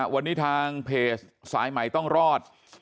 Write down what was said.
วันนี้ทางเพจสายใหม่ต้องรอด